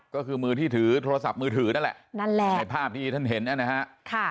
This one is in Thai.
ก็คือมือที่ถือโทรศัพท์มือถือนั่นแหละใช้ภาพที่ท่านเห็นนั่นนะฮะ